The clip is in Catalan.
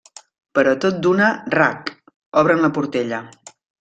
Però tot d'una... rac!... obren la portella.